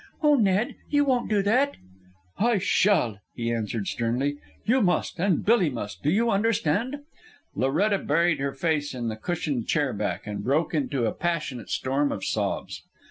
"Oh, Ned, you won't do that?" "I shall," he answered sternly. "You must. And Billy must. Do you understand?" Loretta buried her face in the cushioned chair back, and broke into a passionate storm of sobs.